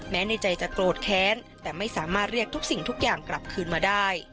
ในใจจะโกรธแค้นแต่ไม่สามารถเรียกทุกสิ่งทุกอย่างกลับคืนมาได้